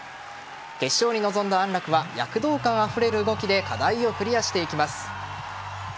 決勝に臨んだ安楽は躍動感あふれる動きで課題をクリアしていきます。